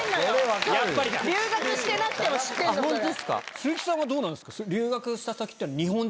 鈴木さんはどうなんですか？